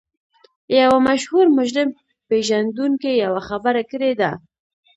یوه مشهور مجرم پېژندونکي یوه خبره کړې ده